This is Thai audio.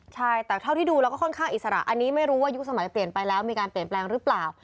ใช่แต่เท่าที่ดูแล้วก็ค่อนข้างอิสระอันนี้ไม่รู้ว่ายุคสมัยเปลี่ยนไปแล้วมีการเปลี่ยนแปลงหรือเปล่า